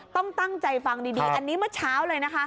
ต้องตั้งใจฟังดีอันนี้เมื่อเช้าเลยนะคะ